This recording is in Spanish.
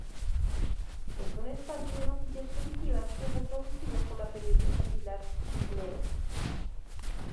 Es un espacio de noticias positivas que fue producido por la periodista Pilar Cisneros.